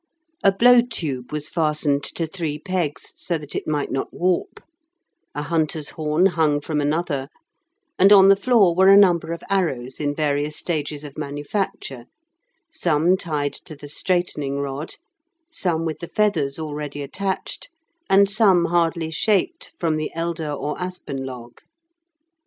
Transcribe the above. A blowtube was fastened to three pegs, so that it might not warp, a hunter's horn hung from another, and on the floor were a number of arrows in various stages of manufacture, some tied to the straightening rod, some with the feathers already attached, and some hardly shaped from the elder or aspen log.